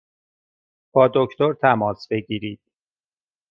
با دکتر تماس بگیرید!